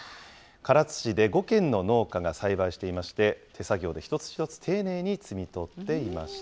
唐津市で５軒の農家が栽培していまして、手作業で一つ一つ丁寧に摘み取っていました。